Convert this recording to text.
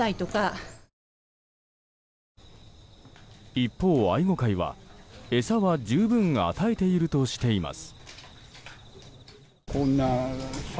一方、愛護会は、餌は十分与えているとしています。